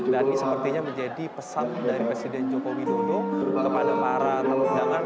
dan ini sepertinya menjadi pesan dari presiden joko widodo kepada para tetanggangan